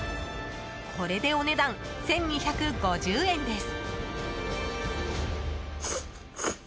これで、お値段１２５０円です。